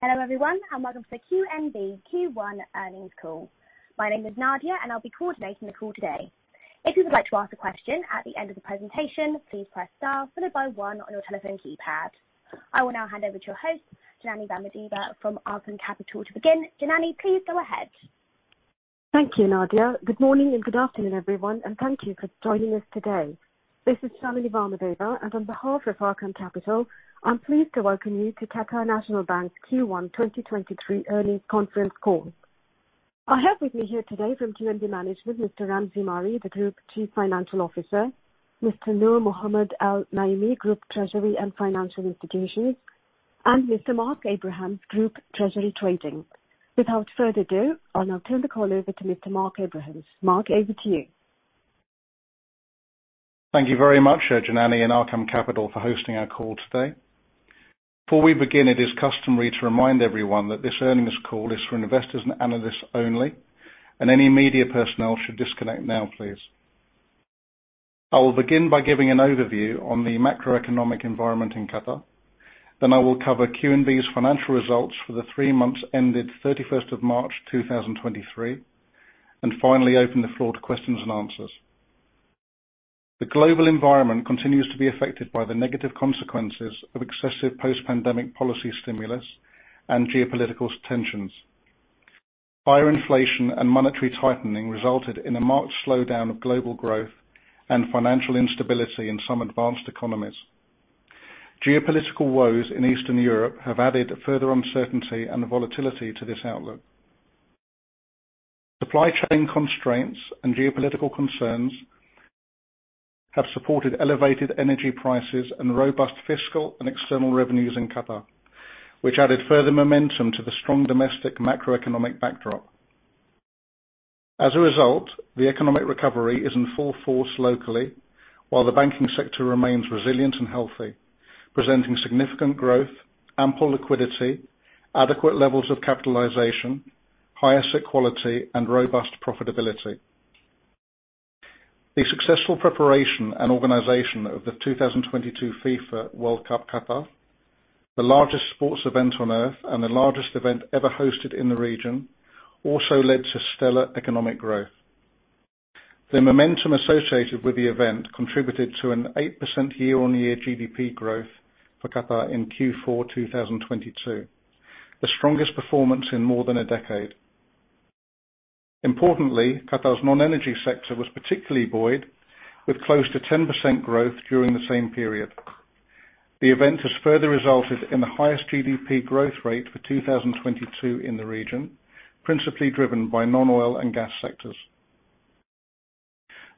Hello, everyone, and welcome to the QNB Q1 earnings call. My name is Nadia, and I will be coordinating the call today. If you would like to ask a question at the end of the presentation, please press Star followed by one on your telephone keypad. I will now hand over to your host, Janany Vamadeva, from Arqaam Capital to begin. Janani, please go ahead. Thank you, Nadia. Good morning and good afternoon, everyone. Thank you for joining us today. This is Janani Varadachara, and on behalf of Arqaam Capital, I am pleased to welcome you to Qatar National Bank's Q1 2023 earnings conference call. I have with me here today from QNB management, Mr. Ramzi Mari, the Group Chief Financial Officer, Mr. Noor Mohamed Al Naimi, Group Treasury and Financial Institutions, and Mr. Mark Abrahams, Group Treasury trading. Without further ado, I will now turn the call over to Mr. Mark Abrahams. Mark, over to you. Thank you very much, Janani and Arqaam Capital, for hosting our call today. Before we begin, it is customary to remind everyone that this earnings call is for investors and analysts only. Any media personnel should disconnect now, please. I will begin by giving an overview on the macroeconomic environment in Qatar. I will cover QNB's financial results for the three months ended 31st of March 2023. Finally, I will open the floor to questions and answers. The global environment continues to be affected by the negative consequences of excessive post-pandemic policy stimulus and geopolitical tensions. Higher inflation and monetary tightening resulted in a marked slowdown of global growth and financial instability in some advanced economies. Geopolitical woes in Eastern Europe have added further uncertainty and volatility to this outlook. Supply chain constraints and geopolitical concerns have supported elevated energy prices and robust fiscal and external revenues in Qatar, which added further momentum to the strong domestic macroeconomic backdrop. As a result, the economic recovery is in full force locally, while the banking sector remains resilient and healthy, presenting significant growth, ample liquidity, adequate levels of capitalization, higher asset quality, and robust profitability. The successful preparation and organization of the FIFA World Cup Qatar 2022, the largest sports event on Earth and the largest event ever hosted in the region, also led to stellar economic growth. The momentum associated with the event contributed to an 8% year-on-year GDP growth for Qatar in Q4 2022, the strongest performance in more than a decade. Importantly, Qatar's non-energy sector was particularly buoyed, with close to 10% growth during the same period. The event has further resulted in the highest GDP growth rate for 2022 in the region, principally driven by non-oil and gas sectors.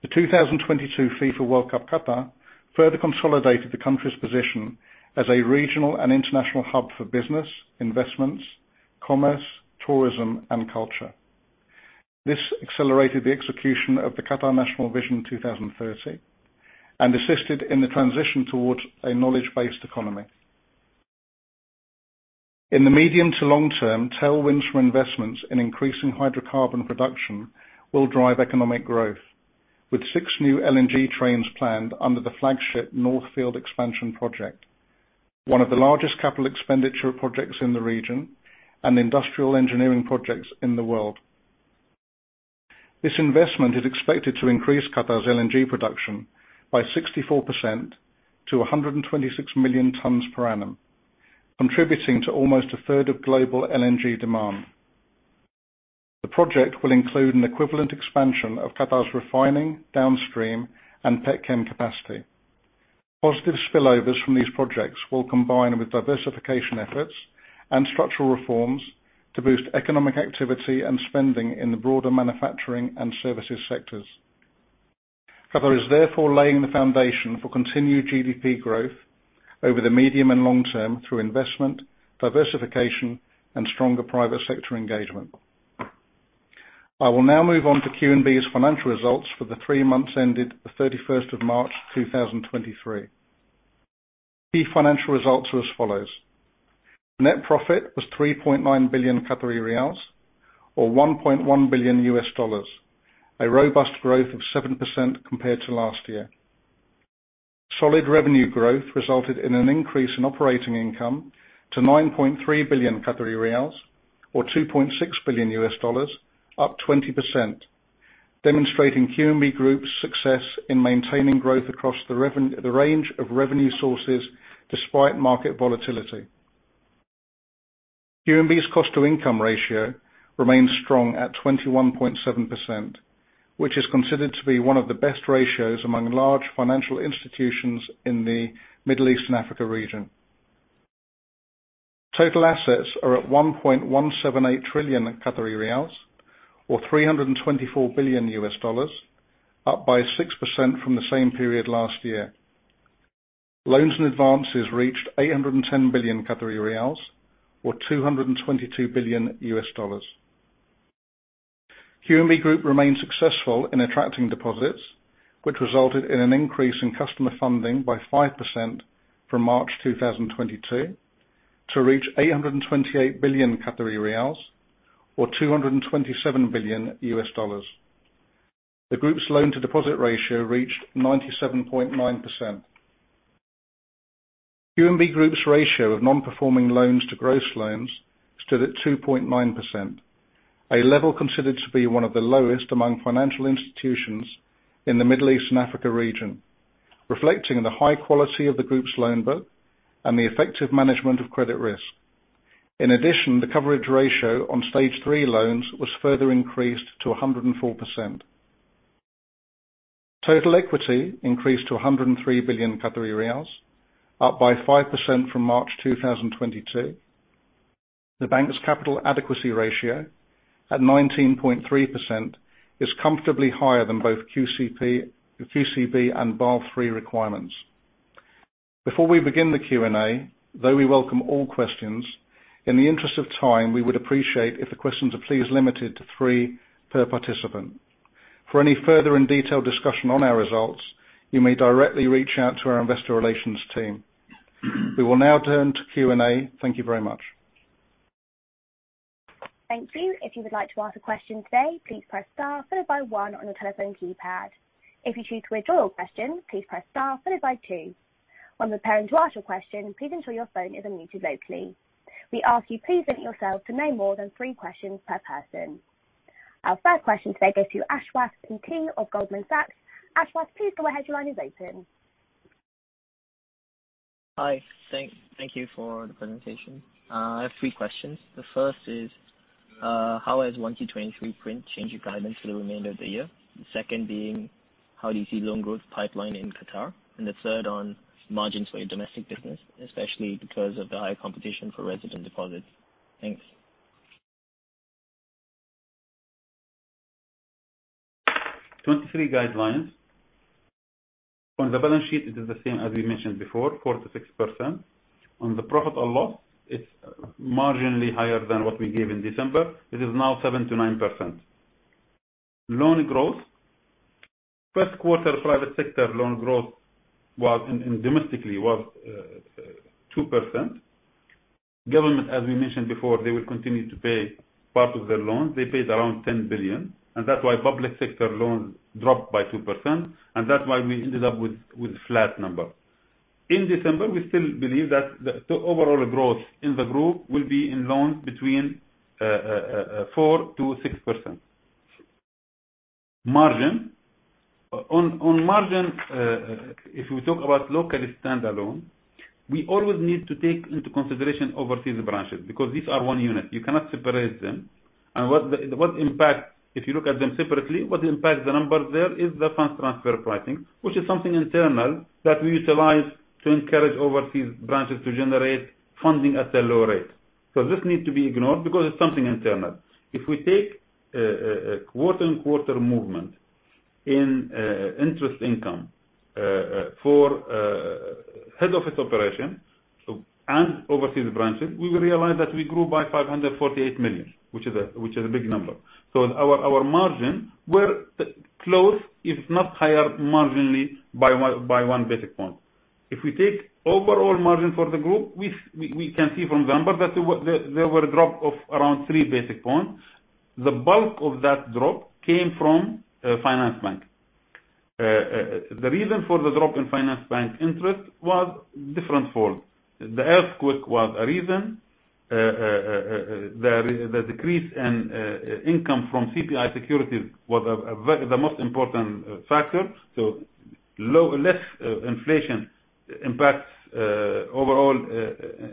The FIFA World Cup Qatar 2022 further consolidated the country's position as a regional and international hub for business, investments, commerce, tourism, and culture. This accelerated the execution of the Qatar National Vision 2030 and assisted in the transition towards a knowledge-based economy. In the medium to long term, tailwinds from investments in increasing hydrocarbon production will drive economic growth, with six new LNG trains planned under the flagship North Field Expansion project, one of the largest capital expenditure projects in the region and industrial engineering projects in the world. This investment is expected to increase Qatar's LNG production by 64% to 126 million tons per annum, contributing to almost a third of global LNG demand. The project will include an equivalent expansion of Qatar's refining, downstream, and petchem capacity. Positive spillovers from these projects will combine with diversification efforts and structural reforms to boost economic activity and spending in the broader manufacturing and services sectors. Qatar is therefore laying the foundation for continued GDP growth over the medium and long term through investment, diversification, and stronger private sector engagement. I will now move on to QNB's financial results for the three months ended the thirty-first of March 2023. Key financial results are as follows. Net profit was 3.9 billion Qatari riyals, or $1.1 billion, a robust growth of 7% compared to last year. Solid revenue growth resulted in an increase in operating income to 9.3 billion Qatari riyals, or $2.6 billion, up 20%, demonstrating QNB Group's success in maintaining growth across the range of revenue sources despite market volatility. QNB's cost-to-income ratio remains strong at 21.7%, which is considered to be one of the best ratios among large financial institutions in the Middle East and Africa region. Total assets are at 1.178 trillion Qatari riyals, or $324 billion, up by 6% from the same period last year. Loans and advances reached 810 billion Qatari riyals, or $222 billion. QNB Group remains successful in attracting deposits, which resulted in an increase in customer funding by 5% from March 2022 to reach 828 billion Qatari riyals, or $227 billion. The group's loan-to-deposit ratio reached 97.9%. QNB Group's ratio of non-performing loans to gross loans stood at 2.9%, a level considered to be one of the lowest among financial institutions in the Middle East and Africa region, reflecting the high quality of the group's loan book and the effective management of credit risk. In addition, the coverage ratio on stage 3 loans was further increased to 104%. Total equity increased to 103 billion Qatari riyals, up by 5% from March 2022. The bank's capital adequacy ratio, at 19.3%, is comfortably higher than both QCB and Basel III requirements. Before we begin the Q&A, though we welcome all questions, in the interest of time, we would appreciate if the questions are please limited to three per participant. For any further and detailed discussion on our results, you may directly reach out to our investor relations team. We will now turn to Q&A. Thank you very much. Thank you. If you would like to ask a question today, please press star followed by one on your telephone keypad. If you choose to withdraw your question, please press star followed by two. When preparing to ask your question, please ensure your phone is unmuted locally. We ask you please limit yourself to no more than three questions per person. Our first question today goes to Aswath Inc. of Goldman Sachs. Aswath, please go ahead. Your line is open. Hi. Thank you for the presentation. I have three questions. The first is, how has 1Q 2023 print change your guidance for the remainder of the year? The second being, how do you see loan growth pipeline in Qatar? The third on margins for your domestic business, especially because of the high competition for resident deposits. Thanks. 23 guidelines. On the balance sheet, it is the same as we mentioned before, 4%-6%. On the profit or loss, it's marginally higher than what we gave in December. It is now 7%-9%. Loan growth. First quarter private sector loan growth domestically, was 2%. Government, as we mentioned before, they will continue to pay part of their loans. They paid around 10 billion, that's why public sector loans dropped by 2%, that's why we ended up with a flat number. In December, we still believe that the overall growth in the group will be in loans between 4%-6%. Margin. On margin, if we talk about local standalone, we always need to take into consideration overseas branches, because these are one unit. You cannot separate them. If you look at them separately, what impacts the numbers there is the fund transfer pricing, which is something internal that we utilize to encourage overseas branches to generate funding at a lower rate. This needs to be ignored because it's something internal. If we take a quarter and quarter movement in interest income for head office operation and overseas branches, we will realize that we grew by 548 million, which is a big number. Our margin were close, if not higher marginally by one basic point. If we take overall margin for the group, we can see from November that there were a drop of around three basic points. The bulk of that drop came from Finansbank. The reason for the drop in Finansbank interest was different folds. The earthquake was a reason. The decrease in income from CPI securities was the most important factor. Less inflation impacts overall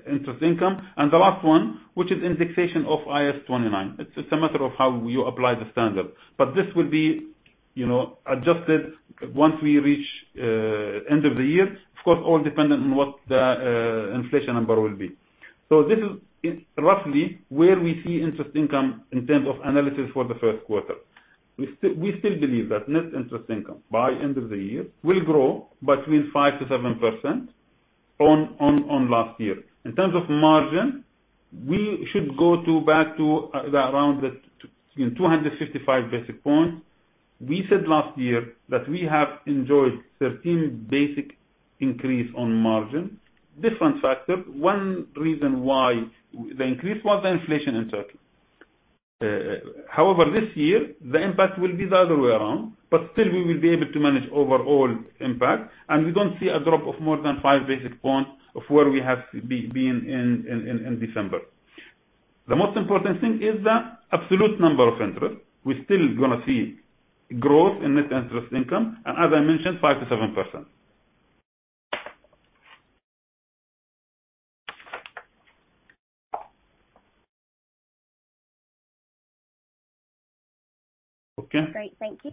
interest income. The last one, which is indexation of IAS 29. It's a matter of how you apply the standard. This will be adjusted once we reach end of the year, of course, all dependent on what the inflation number will be. This is roughly where we see interest income in terms of analysis for the first quarter. We still believe that net interest income by end of the year will grow between 5% to 7% on last year. In terms of margin, we should go back to around the 255 basic points. We said last year that we have enjoyed 13 basic increase on margin. Different factor. One reason why the increase was the inflation in Turkey. However, this year, the impact will be the other way around, still we will be able to manage overall impact, we don't see a drop of more than five basic points of where we have been in December. The most important thing is the absolute number of interest. We're still going to see growth in net interest income, as I mentioned, 5% to 7%. Okay. Great. Thank you.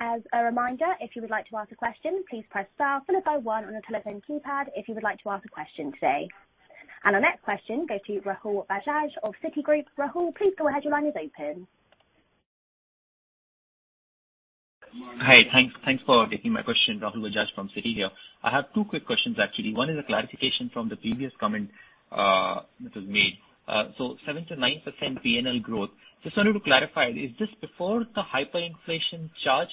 As a reminder, if you would like to ask a question, please press star followed by one on your telephone keypad if you would like to ask a question today. Our next question goes to Rahul Bajaj of Citigroup. Rahul, please go ahead. Your line is open. Hi. Thanks for taking my question. Rahul Bajaj from Citi here. I have two quick questions, actually. One is a clarification from the previous comment that was made. 7%-9% PNL growth. Just wanted to clarify, is this before the hyperinflation charge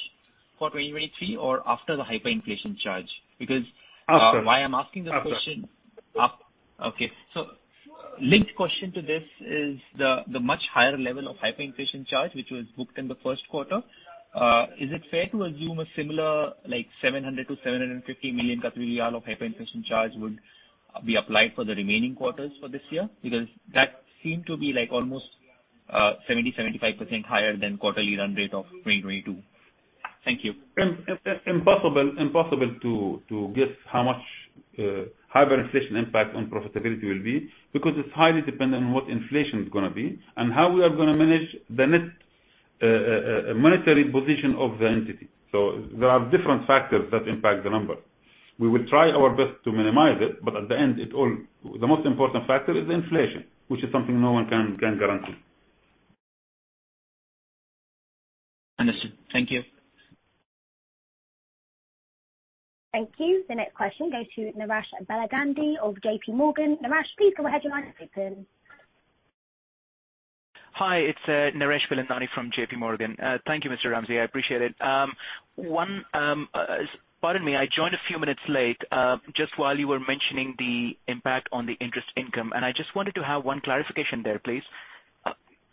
for 2023 or after the hyperinflation charge? Because- After why I'm asking this question- After. Okay. Linked question to this is the much higher level of hyperinflation charge, which was booked in the first quarter. Is it fair to assume a similar 700 million-750 million riyal of hyperinflation charge would be applied for the remaining quarters for this year? That seemed to be almost 70%-75% higher than quarterly run rate of 2022. Thank you. Impossible to guess how much hyperinflation impact on profitability will be, because it's highly dependent on what inflation is going to be and how we are going to manage the net monetary position of the entity. There are different factors that impact the number. We will try our best to minimize it, but at the end, the most important factor is inflation, which is something no one can guarantee. Understood. Thank you. Thank you. The next question goes to Naresh Bilandani of JPMorgan. Naresh, please go ahead. Your line is open. Hi, it's Naresh Bilandani from JPMorgan. Thank you, Mr. Ramzi. I appreciate it. Pardon me, I joined a few minutes late, just while you were mentioning the impact on the interest income, and I just wanted to have one clarification there, please.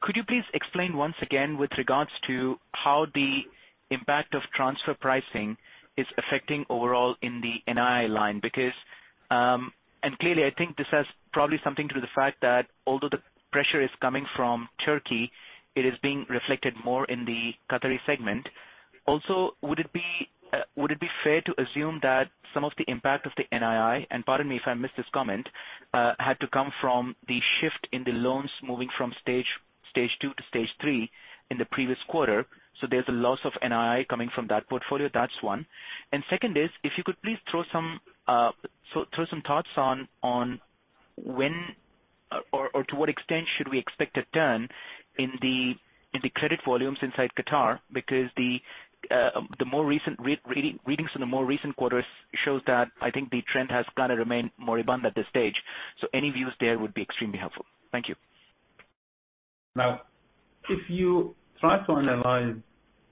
Could you please explain once again with regards to how the impact of transfer pricing is affecting overall in the NII line? Clearly, I think this has probably something to do with the fact that although the pressure is coming from Turkey, it is being reflected more in the Qatari segment. Would it be fair to assume that some of the impact of the NII, and pardon me if I missed this comment, had to come from the shift in the loans moving from stage 2 to stage 3 in the previous quarter, so there's a loss of NII coming from that portfolio? That's one. Second is, if you could please throw some thoughts on when or to what extent should we expect a turn in the credit volumes inside Qatar, because the more recent readings in the more recent quarters shows that I think the trend has kind of remained moribund at this stage. Any views there would be extremely helpful. Thank you. If you try to analyze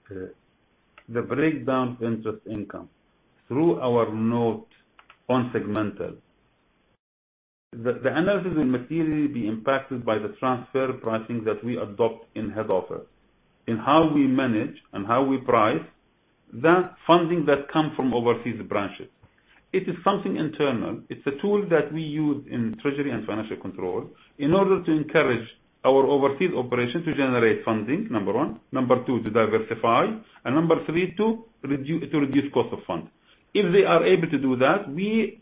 the breakdown of interest income through our note on segmental, the analysis will materially be impacted by the transfer pricing that we adopt in head office, in how we manage and how we price that funding that comes from overseas branches. It is something internal. It's a tool that we use in treasury and financial control in order to encourage our overseas operations to generate funding, number 1. Number 2, to diversify. Number 3, to reduce cost of funds. If they are able to do that, we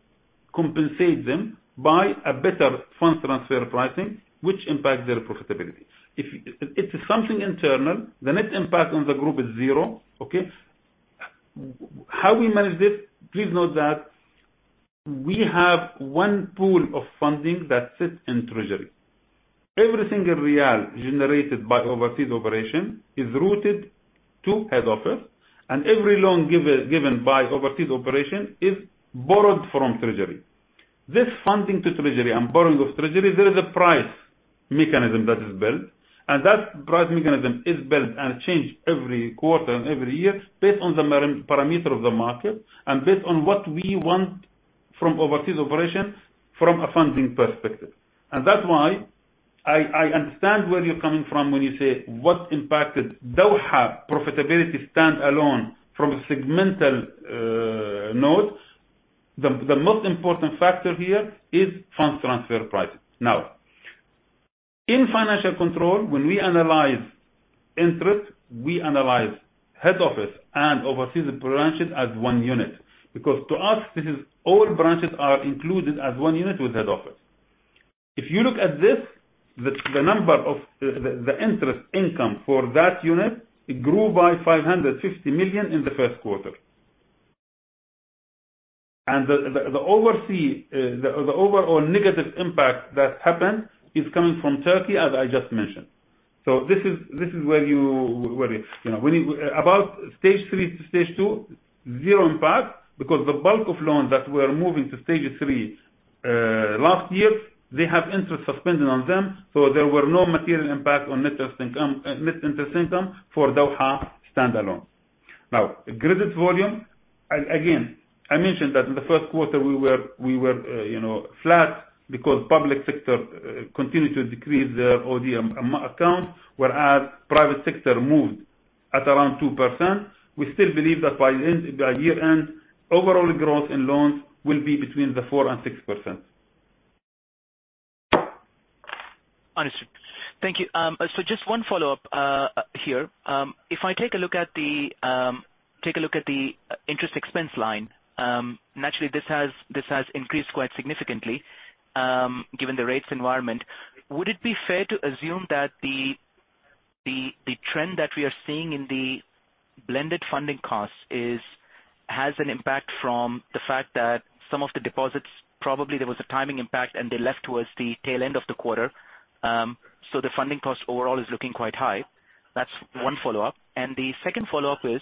compensate them by a better fund transfer pricing, which impacts their profitability. It is something internal. The net impact on the group is zero. Okay. How we manage this, please note that we have one pool of funding that sits in treasury. Every single QAR generated by overseas operation is routed to head office, every loan given by overseas operation is borrowed from treasury. This funding to treasury and borrowing of treasury, there is a price mechanism that is built, that price mechanism is built and changed every quarter and every year based on the parameter of the market and based on what we want from overseas operations from a funding perspective. That's why I understand where you're coming from when you say what impacted Doha profitability standalone from a segmental note. The most important factor here is fund transfer pricing. In financial control, when we analyze interest, we analyze head office and overseas branches as one unit, because to us, all branches are included as one unit with head office. If you look at this, the interest income for that unit, it grew by 550 million in the first quarter. The overall negative impact that happened is coming from Turkey, as I just mentioned. This is where you. About stage 3 to stage 2, zero impact because the bulk of loans that were moving to stage 3 last year, they have interest suspended on them, so there were no material impact on net interest income for Doha standalone. Credit volume, again, I mentioned that in the first quarter we were flat because public sector continued to decrease their OD account, whereas private sector moved at around 2%. We still believe that by year-end, overall growth in loans will be between the 4% and 6%. Understood. Thank you. Just one follow-up here. If I take a look at the interest expense line, naturally, this has increased quite significantly given the rates environment. Would it be fair to assume that the trend that we are seeing in the blended funding costs has an impact from the fact that some of the deposits, probably there was a timing impact, and they left towards the tail end of the quarter, so the funding cost overall is looking quite high? That's one follow-up. The second follow-up is,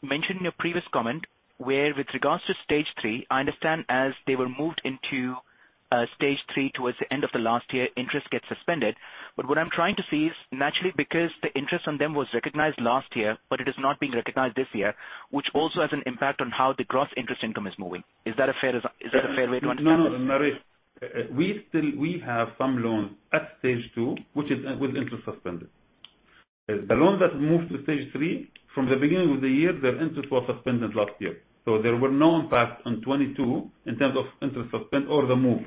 you mentioned in your previous comment where with regards to stage 3, I understand as they were moved into stage 3 towards the end of the last year, interest gets suspended. What I'm trying to see is naturally because the interest on them was recognized last year, it is not being recognized this year, which also has an impact on how the gross interest income is moving. Is that a fair way to interpret it? No, Naresh. We have some loans at stage 2, which is with interest suspended. The loans that moved to stage 3 from the beginning of the year, their interest was suspended last year. There were no impacts on 2022 in terms of interest suspend or the move.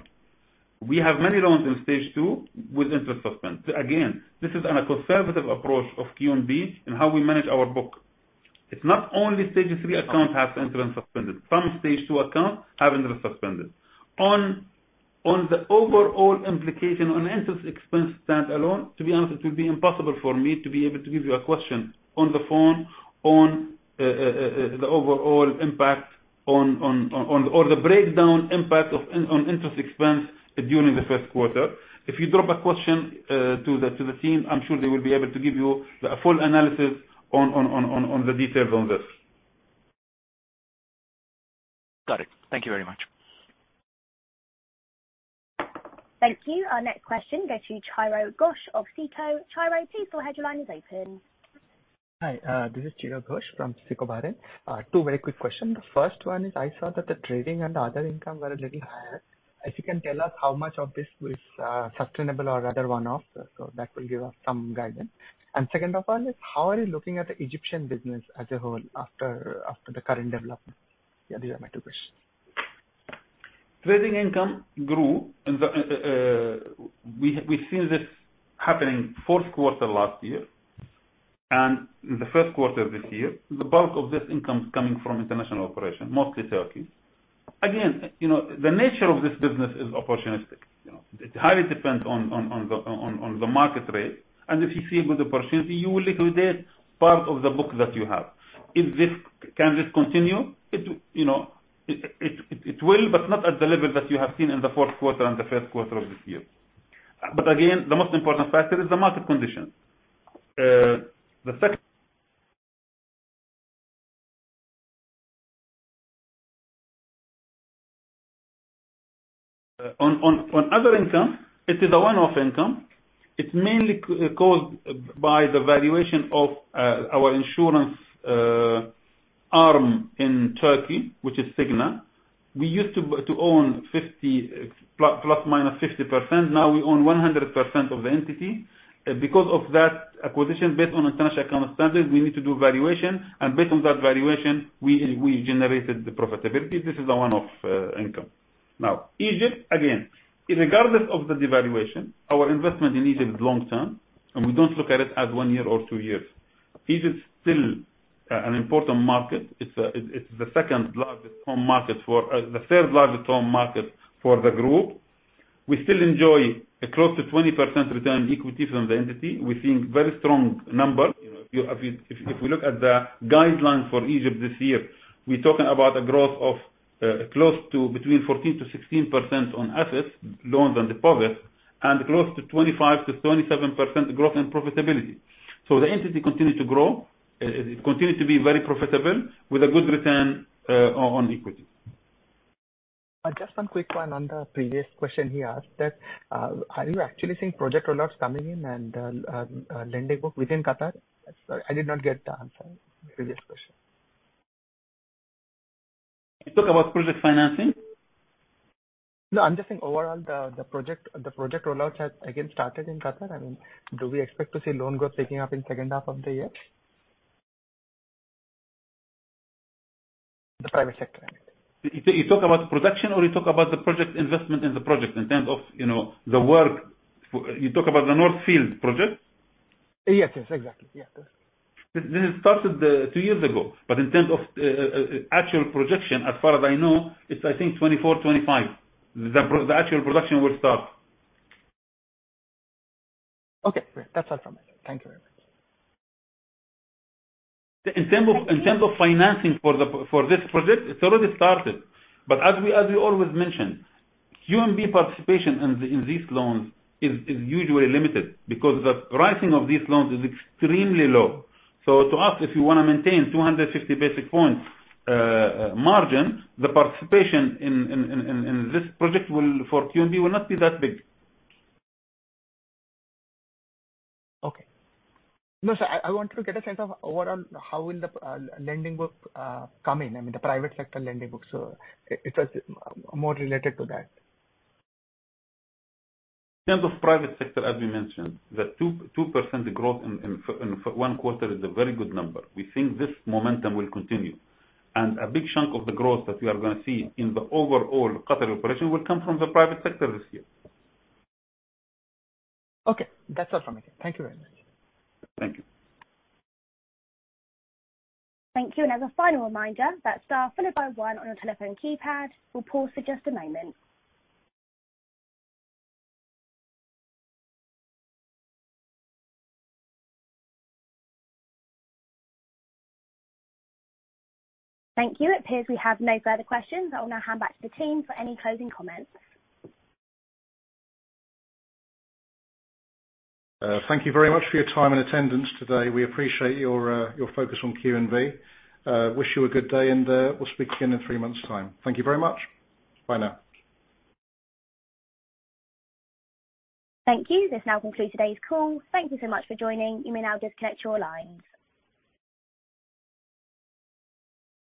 We have many loans in stage 2 with interest suspense. Again, this is on a conservative approach of QNB and how we manage our book. It's not only stage 3 accounts have interest suspended. Some stage 2 accounts have interest suspended. On the overall implication on interest expense standalone, to be honest, it will be impossible for me to be able to give you a question on the phone on the overall impact or the breakdown impact on interest expense during the first quarter. If you drop a question to the team, I'm sure they will be able to give you a full analysis on the details on this. Got it. Thank you very much. Thank you. Our next question goes to Chiradeep Ghosh of SICO. Chiro, please your line is open. Hi, this is Chiradeep Ghosh from SICO Bahrain. Two very quick questions. The first one is, I saw that the trading and other income were a little higher. If you can tell us how much of this is sustainable or rather one-off, so that will give us some guidance. Second of all is, how are you looking at the Egyptian business as a whole after the current development? Yeah, these are my two questions. Trading income grew. We seen this happening fourth quarter last year and in the first quarter of this year. The bulk of this income is coming from international operations, mostly Turkey. The nature of this business is opportunistic. It highly depends on the market rate. If you see a good opportunity, you will liquidate part of the book that you have. Can this continue? It will, but not at the level that you have seen in the fourth quarter and the first quarter of this year. Again, the most important factor is the market condition. On other income, it is a one-off income. It's mainly caused by the valuation of our insurance arm in Turkey, which is Cigna. We used to own plus minus 50%, now we own 100% of the entity. Because of that acquisition, based on International Accounting Standards, we need to do valuation. Based on that valuation, we generated the profitability. This is a one-off income. Now, Egypt, again, regardless of the devaluation, our investment in Egypt is long-term, and we don't look at it as one year or two years. Egypt is still an important market. It's the third largest home market for the group. We still enjoy close to 20% return on equity from the entity. We think very strong number. If we look at the guidelines for Egypt this year, we're talking about a growth of close to between 14%-16% on assets, loans, and deposits, and close to 25%-27% growth and profitability. The entity continued to grow. It continued to be very profitable with a good return on equity. Just one quick one on the previous question he asked. Are you actually seeing project rollouts coming in and lending book within Qatar? Sorry, I did not get the answer in the previous question. You talk about project financing? No, I'm just saying overall, the project rollout has again started in Qatar. Do we expect to see loan growth picking up in second half of the year? The private sector, I meant. You talk about production or you talk about the project investment in the project in terms of the work? You talk about the North Field project? Yes. Exactly. Yeah. This started two years ago. In terms of actual projection, as far as I know, it's I think 2024, 2025, the actual production will start. Okay, great. That's all from me. Thank you very much. In terms of financing for this project, it's already started. As we always mention, QNB participation in these loans is usually limited because the pricing of these loans is extremely low. To us, if we want to maintain 250 basic points margin, the participation in this project for QNB will not be that big. Okay. No, sir, I want to get a sense of overall how will the lending book come in, the private sector lending book. It was more related to that. In terms of private sector, as we mentioned, the 2% growth in one quarter is a very good number. We think this momentum will continue. A big chunk of the growth that we are going to see in the overall Qatar operation will come from the private sector this year. Okay, that's all from me. Thank you very much. Thank you. Thank you. As a final reminder, that's star followed by one on your telephone keypad. We'll pause for just a moment. Thank you. It appears we have no further questions. I will now hand back to the team for any closing comments. Thank you very much for your time and attendance today. We appreciate your focus on QNB. Wish you a good day, we'll speak to you in three months time. Thank you very much. Bye now. Thank you. This now concludes today's call. Thank you so much for joining. You may now disconnect your lines.